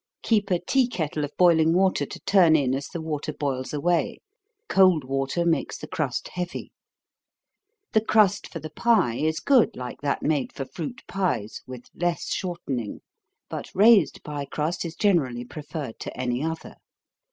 Keep a tea kettle of boiling water to turn in as the water boils away cold water makes the crust heavy. The crust for the pie is good like that made for fruit pies, with less shortening, but raised pie crust is generally preferred to any other.